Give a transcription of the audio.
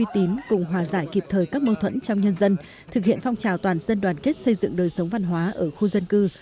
thực hiện phong trào toàn dân đoàn kết xây dựng đời sống văn hóa ở khu dân cư